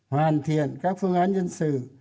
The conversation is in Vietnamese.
hoàn thiện các phương án nhân sự